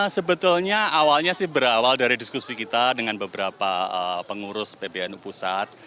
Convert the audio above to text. sebetulnya awalnya sih berawal dari diskusi kita dengan beberapa pengurus pbnu pusat